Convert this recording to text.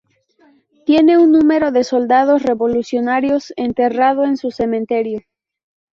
Tiene un número de soldados revolucionarios enterrado en su cementerio.